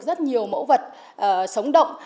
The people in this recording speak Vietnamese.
rất nhiều mẫu vật sống động